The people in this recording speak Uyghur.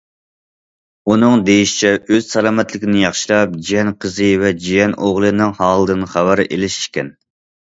ئۇنىڭ دېيىشىچە، ئۆز سالامەتلىكىنى ياخشىلاپ جىيەن قىزى ۋە جىيەن ئوغلىنىڭ ھالىدىن خەۋەر ئېلىش ئىكەن.